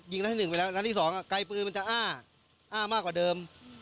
ยิงละที่หนึ่งไปแล้วและที่สองกายปืนมันจะอ้าอ่ามากกว่าเดิม